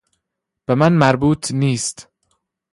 به من مربوط نیست.